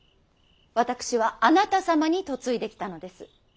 私はあなた様に嫁いできたのです。